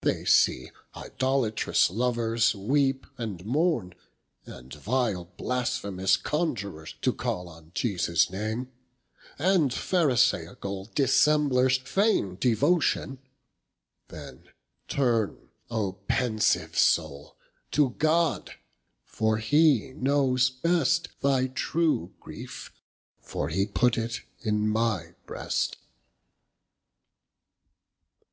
They see idolatrous lovers weepe and mourne, And vile blasphemous Conjurers to call On Jesus name, and Pharisaicall Dissemblers feigne devotion. Then turne O pensive soule, to God, for he knows best Thy true griefe, for he put it in my breast.